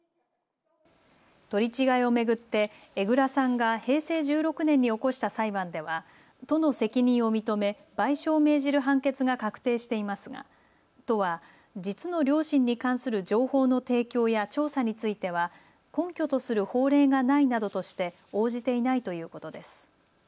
取り違えを巡って、江藏さんが平成１６年に起こした裁判では都の責任を認め賠償を命じる判決が確定していますが都は実の両親に関する情報の提供や調査については根拠とする法令がないなどとして応じていないということです。